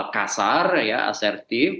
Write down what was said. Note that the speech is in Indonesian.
kasar ya asertif